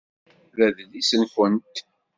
Wa d adlis-nkent?